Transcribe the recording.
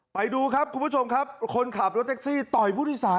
ไปดูครับคุณผู้ชมครับคนขับรถแท็กซี่ต่อยผู้โดยสาร